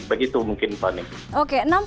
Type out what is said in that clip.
begitu mungkin panik